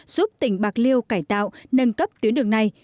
giúp tỉnh bạc liêu cải tạo nâng cấp tuyến đường này